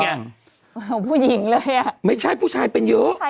ผู้หญิงเลยอ่ะไม่ใช่ผู้ชายเป็นเยอะ